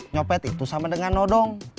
nyopet itu sama dengan nodong